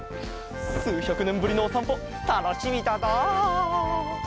すうひゃくねんぶりのおさんぽたのしみだな。